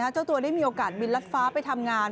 เจ้าตัวได้มีโอกาสบินรัดฟ้าไปทำงาน